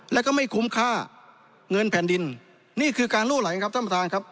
แล้วก็ไม่คุ้มค่าเงินแผ่นดินนี่คือการลั่วไหลครับท่านประธานครับ